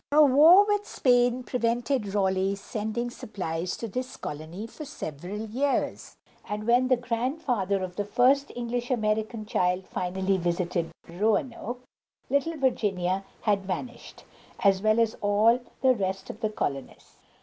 A war with Spain prevented Raleigh's sending supplies to this colony for several years, and when the grandfather of the first English American child finally visited Roanoke, little Virginia had vanished, as well as all the rest of the colonists.